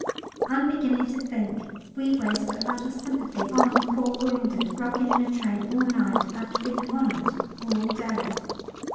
I'm beginning to think we waste a lot of sympathy on the poor wounded rocking in a train all night after being on it all day.